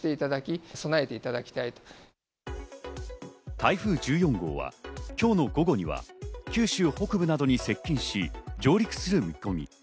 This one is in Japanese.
台風１４号は今日の午後には九州北部などに接近し、上陸する見込み。